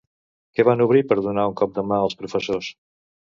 Què van obrir per donar un cop de mà als professors?